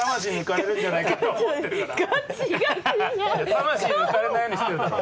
魂抜かれないようにしてるだろ。